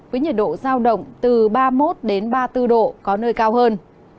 với nhiệt độ giao động từ ba mươi một ba mươi bốn độ có nơi cao hơn